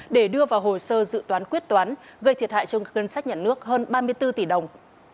để đưa vào hồ sơ dự toán quyết toán gây thiệt hại trong các ngân sách nhận nước hơn ba mươi bốn tỷ đồng